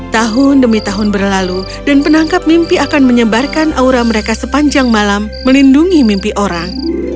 tahun demi tahun berlalu dan penangkap mimpi akan menyebarkan aura mereka sepanjang malam melindungi mimpi orang